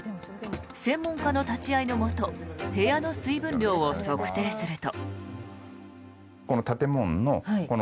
専門家の立ち会いのもと部屋の水分量を測定すると。